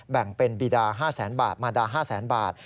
แบ่งเป็นบีดา๕๐๐๐๐๐บาทมาดา๕๐๐๐๐๐บาท